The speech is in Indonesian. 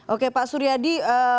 oke pak suryadi